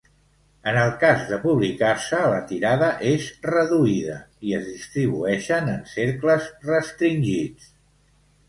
En el cas de publicar-se, la tirada és reduïda i es distribueixen en cercles restringits.